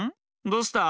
どうした？